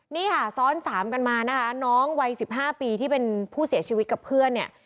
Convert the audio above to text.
นี่ค่ะซ้อนสามกันมานะคะน้องวัย๑๕ปีที่เป็นผู้เสียชีวิตกับเพื่อนเนี่ย